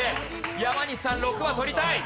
山西さん６は取りたい。